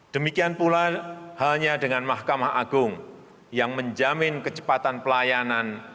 demikian pula halnya dengan mahkamah agung yang menjamin kecepatan pelayanan